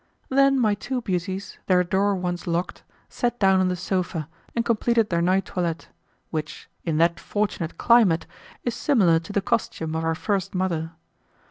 Then my two beauties, their door once locked, sat down on the sofa and completed their night toilet, which, in that fortunate climate, is similar to the costume of our first mother.